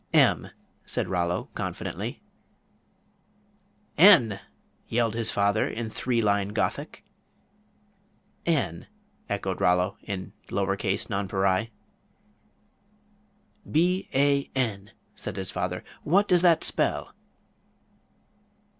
"M," said Rollo, confidently. "N!" yelled his father, in three line Gothic. "N," echoed Rollo, in lower case nonpareil. "B a n," said his father, "what does that spell?"